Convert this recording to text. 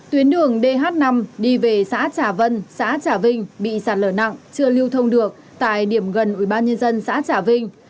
tuyến đường dh năm đi về xã trả vân xã trả vinh bị sạt lở nặng chưa lưu thông được tại điểm gần ubnd xã trả vinh